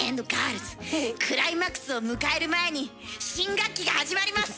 クライマックスを迎える前に新学期が始まります！